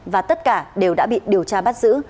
và tất cả đều đã bị điều tra bắt giữ